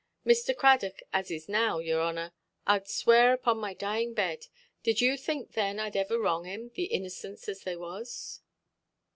"Mr. Cradock, as is now, your honour. Iʼd swear it on my dying bed. Did you think, then, Iʼd iver wrong him, the innocents as they was"?